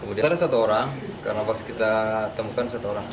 kemudian ada satu orang karena pas kita temukan satu orang